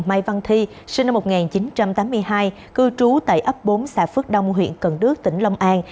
mai văn thi sinh năm một nghìn chín trăm tám mươi hai cư trú tại ấp bốn xã phước đông huyện cần đước tỉnh long an